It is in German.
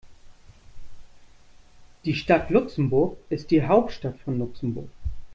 Die Stadt Luxemburg ist die Hauptstadt von Luxemburg.